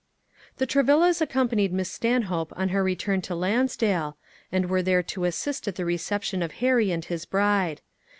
The Travillas accompanied Miss Stanhope on her return to Lansdale, and were there to assist at the reception of Harry and his bride.